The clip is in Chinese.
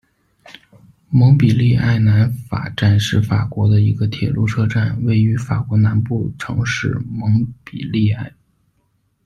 蒙彼利埃南法站是法国的一个铁路车站，位于法国南部城市蒙彼利埃。